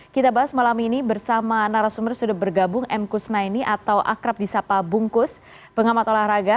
kita bahas malam ini bersama narasumber sudah bergabung m kusnaini atau akrab di sapa bungkus pengamat olahraga